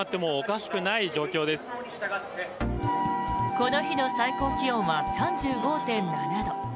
この日の最高気温は３５．７度。